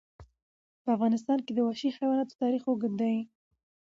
په افغانستان کې د وحشي حیوانات تاریخ اوږد دی.